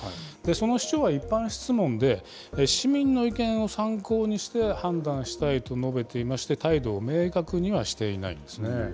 その市長は一般質問で、市民の意見を参考にして判断したいと述べていまして、態度を明確にはしていないんですね。